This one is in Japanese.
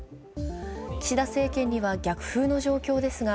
岸田政権には逆風の状況ですが